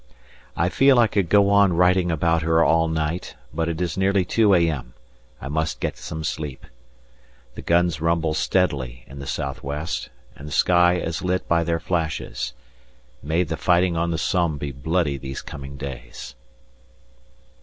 I feel I could go on writing about her all night, but it is nearly 2 a.m. I must get some sleep. The guns rumble steadily in the south west, and the sky is lit by their flashes; may the fighting on the Somme be bloody these coming days.